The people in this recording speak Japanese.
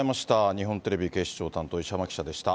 日本テレビ警視庁担当、石浜記者でした。